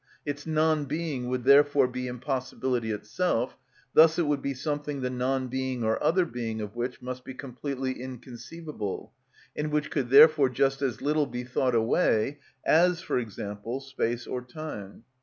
Its non being would therefore be impossibility itself; thus it would be something the non being or other being of which must be completely inconceivable, and which could therefore just as little be thought away as, for example, space or time.